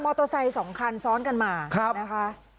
มามอเตอร์ไซสองคันซ้อนกันมานะคะ